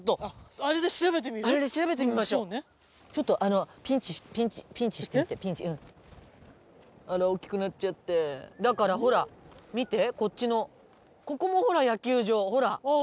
あれで調べてみましょうちょっとピンチピンチしといてあら大きくなっちゃってだからほら見てこっちのここもほら野球場ほらああ